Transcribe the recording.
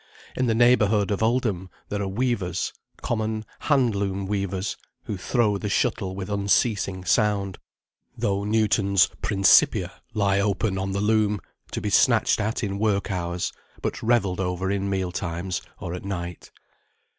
In the neighbourhood of Oldham there are weavers, common hand loom weavers, who throw the shuttle with unceasing sound, though Newton's "Principia" lie open on the loom, to be snatched at in work hours, but revelled over in meal times, or at night.